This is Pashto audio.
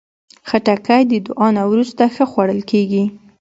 خټکی د دعا نه وروسته ښه خوړل کېږي.